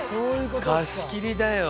貸し切りだよ。